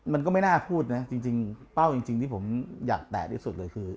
มันก็ไม่น่าพูดนะจริงเป้าจริงที่ผมอยากแตะที่สุดเลยคือ